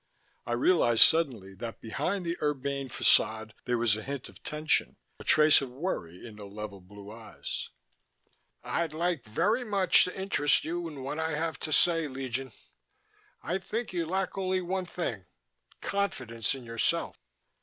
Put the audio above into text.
I realized suddenly that behind the urbane façade there was a hint of tension, a trace of worry in the level blue eyes. "I'd like very much to interest you in what I have to say, Legion. I think you lack only one thing confidence in yourself."